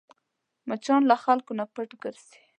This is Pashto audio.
مچان له خلکو نه پټ ګرځي